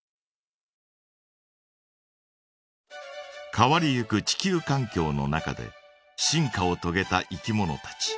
変わりゆく地球かん境の中で進化をとげたいきものたち。